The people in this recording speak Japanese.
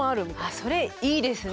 それいいですね。